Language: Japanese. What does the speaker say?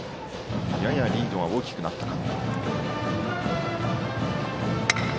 ややリードが大きくなったか。